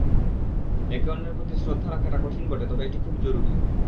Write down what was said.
একে অন্যের প্রতি শ্রদ্ধা রাখাটা কঠিন বটে, তবে এটি খুব জরুরি।